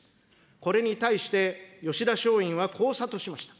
これに対して、吉田松陰はこう諭しました。